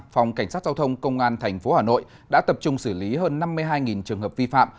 phòng cảnh sát giao thông công an tp hà nội đã tập trung xử lý hơn năm mươi hai trường hợp vi phạm